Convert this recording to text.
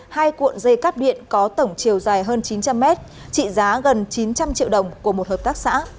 hai cuộn dây cắp điện có tổng chiều dài hơn chín trăm linh mét trị giá gần chín trăm linh triệu đồng của một hợp tác xã